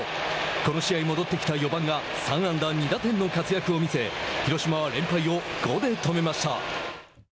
この試合、戻ってきた４番が３安打２打点の活躍を見せ広島は連敗を５で止めました。